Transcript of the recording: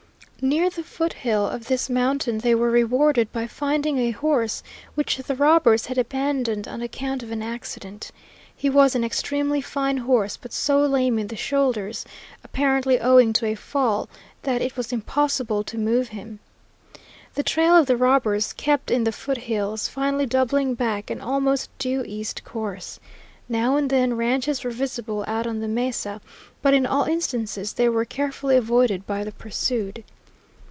Near the foot hill of this mountain they were rewarded by finding a horse which the robbers had abandoned on account of an accident. He was an extremely fine horse, but so lame in the shoulders, apparently owing to a fall, that it was impossible to move him. The trail of the robbers kept in the foot hills, finally doubling back an almost due east course. Now and then ranches were visible out on the mesa, but in all instances they were carefully avoided by the pursued.